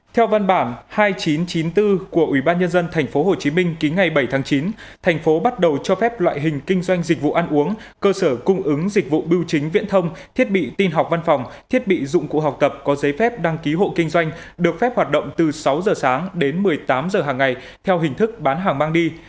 theo văn bản hai nghìn chín trăm chín mươi bốn của ubnd tp hcm ký ngày bảy tháng chín thành phố bắt đầu cho phép loại hình kinh doanh dịch vụ ăn uống cơ sở cung ứng dịch vụ biểu chính viễn thông thiết bị tin học văn phòng thiết bị dụng cụ học tập có giấy phép đăng ký hộ kinh doanh được phép hoạt động từ sáu giờ sáng đến một mươi tám giờ hàng ngày theo hình thức bán hàng mang đi